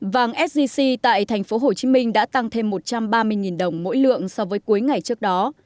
vàng sgc tại tp hcm đã tăng thêm một trăm ba mươi đồng mỗi lượng so với cuối ngày trước đó